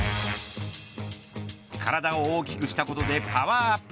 体を大きくしたことでパワーアップ。